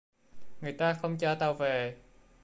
Người ta không cho tao về